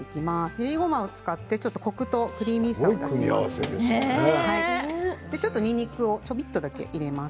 練りごまを使ってコクとクリーミーさを出します。